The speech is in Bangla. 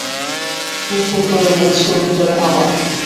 হু-হু করে বইছে উত্ত্বরে হাওয়া।